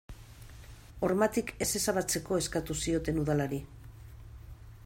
Hormatik ez ezabatzeko eskatu zioten udalari.